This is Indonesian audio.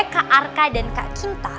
kak arka dan kak cinta